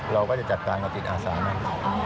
เราก็จะจัดการกับจิตอาสามัน